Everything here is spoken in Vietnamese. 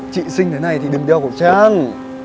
chị sinh thế này thì đừng đeo khẩu trang